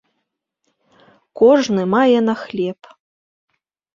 Кожны мае на хлеб.